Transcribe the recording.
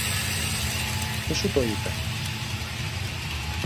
Ποιος σου το είπε;